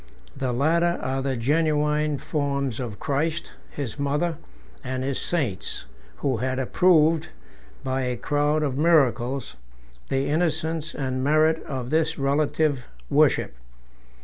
The latter are the genuine forms of Christ, his mother, and his saints, who had approved, by a crowd of miracles, the innocence and merit of this relative worship.